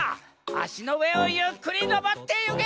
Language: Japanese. あしのうえをゆっくりのぼってゆけ！